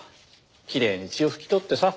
きれいに血を拭き取ってさ。